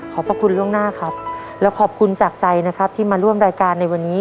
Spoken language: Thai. พระคุณล่วงหน้าครับแล้วขอบคุณจากใจนะครับที่มาร่วมรายการในวันนี้